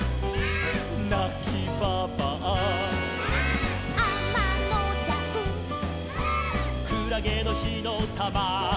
「なきばばあ」「」「あまのじゃく」「」「くらげのひのたま」「」